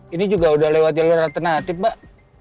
ini juga udah lewat jalur alternatif pak